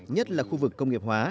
nhất là khu vực công nghiệp hóa